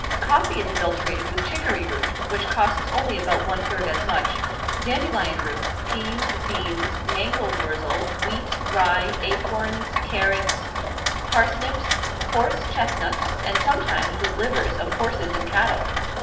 Coffee is adulterated with chicory root (which costs only about one third as much) dandelion root, peas, beans, mangold wurzel, wheat, rye, acorns, carrots, parsnips, horse chestnuts, and sometimes with livers of horses and cattle!